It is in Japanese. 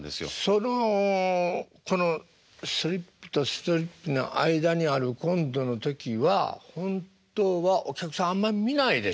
そのこのストリップとストリップの間にあるコントの時は本当はお客さんあんま見ないでしょ？